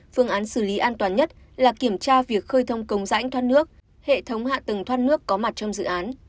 phương án xử lý an toàn nhất là kiểm tra việc khơi thông công rãnh thoát nước hệ thống hạ tầng thoát nước có mặt trong dự án